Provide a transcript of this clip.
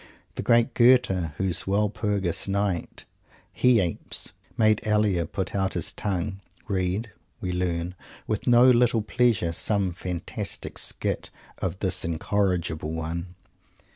The great Goethe, whose Walpurgis Night "He Apes" made Elia put out his tongue, read, we learn, with no little pleasure some fantastic skit of this incorrigible one.